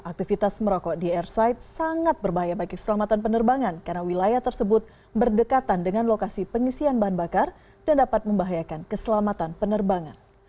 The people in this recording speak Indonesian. aktivitas merokok di airside sangat berbahaya bagi keselamatan penerbangan karena wilayah tersebut berdekatan dengan lokasi pengisian bahan bakar dan dapat membahayakan keselamatan penerbangan